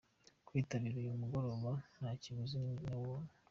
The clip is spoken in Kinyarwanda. Kwitabira uyu mugoroba nta kiguzi, ni ubuntu.